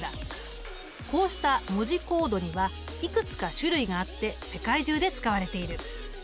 こうした文字コードにはいくつか種類があって世界中で使われている。